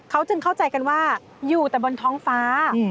เขาจึงเข้าใจกันว่าอยู่แต่บนท้องฟ้า